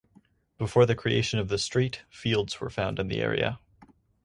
Before the creation of the street fields were found in the area.